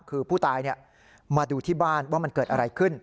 คือผู้ตายมาดูที่บ้านว่ามันเกิดอะไรขึ้น